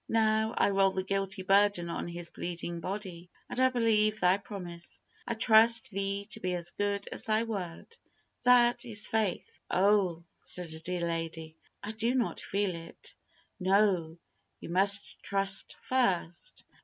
Now, I roll the guilty burden on His bleeding body, and I believe Thy promise, I trust Thee to be as good as Thy word." That is faith. "Oh!" said a dear lady, "I do not feel it." No: you must trust first.